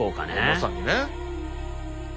まさにね。